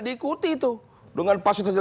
diikuti itu dengan fasilitas